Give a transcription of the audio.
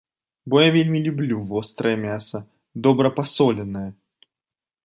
Бо я вельмі люблю вострае мяса, добра пасоленае.